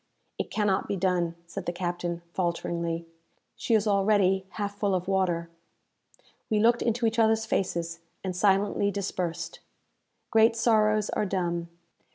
"It cannot be done," said the captain, falteringly; "she is already half full of water." We looked into each others faces, and silently dispersed. Great sorrows are dumb.